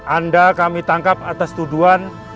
anda kami tangkap atas tuduhan